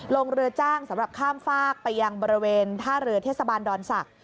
ลงเรือจ้างสำหรับข้ามฝากไปยังบริเวณท่าเรือเทศบาลดอนศักดิ